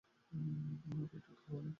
আর ওটা খাওয়াই লাগবে।